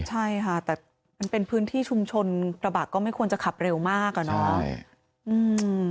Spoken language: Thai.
ใช่ค่ะแต่มันเป็นพื้นที่ชุมชนกระบะก็ไม่ควรจะขับเร็วมากอ่ะเนาะ